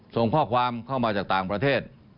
ส่งข้อความเข้ามาจากต่างประเทศ